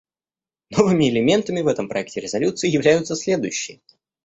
Новыми элементами в этом проекте резолюции являются следующие.